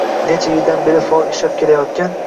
Necha yildan beri faol ishlab kelayotgan